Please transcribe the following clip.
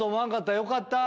よかった！